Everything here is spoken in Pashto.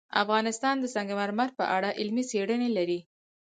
افغانستان د سنگ مرمر په اړه علمي څېړنې لري.